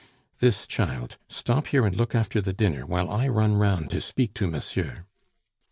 "This, child stop here and look after the dinner while I run round to speak to monsieur."